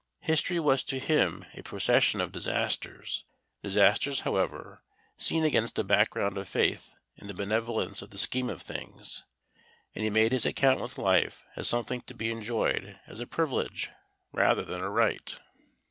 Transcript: History was to him a procession of disasters disasters, however, seen against a background of faith in the benevolence of the scheme of things and he made his account with life as something to be enjoyed as a privilege rather than a right.